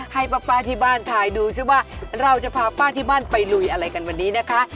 ให้ป้าที่บ้านถ่ายดูซิว่าเราจะพาป้าที่บ้านไปลุยอะไรกันวันนี้นะคะ